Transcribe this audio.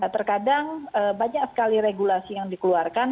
terkadang banyak sekali regulasi yang dikeluarkan